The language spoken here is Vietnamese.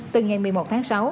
từ ngày một mươi một tháng sáu